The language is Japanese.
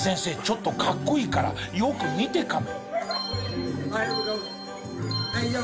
ちょっとかっこいいからよく見てカメ。